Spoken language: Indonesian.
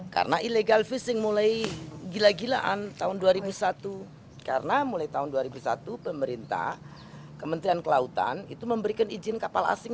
karena illegal fishing mulai gila gilaan tahun dua ribu satu karena mulai tahun dua ribu satu pemerintah kementerian kelautan itu memberikan izin kapal asing